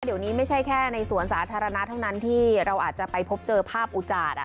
เดี๋ยวนี้ไม่ใช่แค่ในสวนสาธารณะเท่านั้นที่เราอาจจะไปพบเจอภาพอุจาต